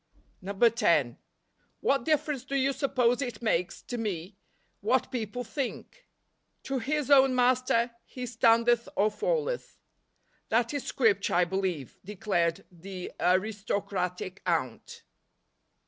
NOVEMBER. 127 10. '' What difference do you suppose it makes to me what people think ? 4 To his own master he standeth or falleth.' That is Scripture, I believe/' declared the aristo¬ cratic aunt.